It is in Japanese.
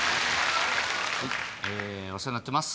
お世話になってます。